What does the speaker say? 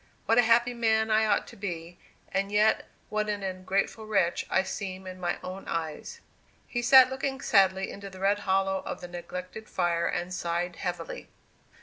What a happy man I ought to be, and yet what an ungrateful wretch I seem in my own eyes!" He sat looking sadly into the red hollow of the neglected fire and sighed heavily.